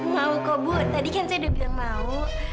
mau kok bu tadi kan saya udah bilang mau